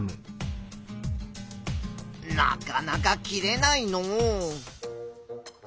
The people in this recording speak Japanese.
なかなか切れないのう。